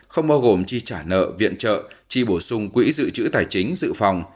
không bao gồm tri trả nợ viện trợ tri bổ sung quỹ dự trữ tài chính dự phòng